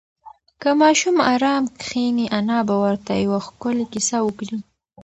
که ماشوم ارام کښېني، انا به ورته یوه ښکلې کیسه وکړي.